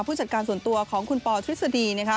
ผู้จัดการส่วนตัวของคุณปอทฤษฎี